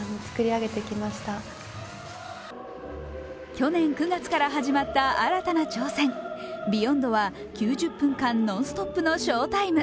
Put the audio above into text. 去年９月から始まった新たな挑戦「ＢＥＹＯＮＤ」は９０分間ノンストップのショータイム。